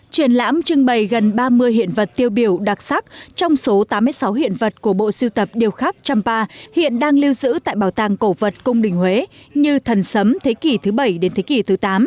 triển lãm trưng bày gần ba mươi hiện vật tiêu biểu đặc sắc trong số tám mươi sáu hiện vật của bộ siêu tập điều khắc trăm pa hiện đang lưu giữ tại bảo tàng cổ vật cung đình huế như thần sấm thế kỷ thứ bảy đến thế kỷ thứ tám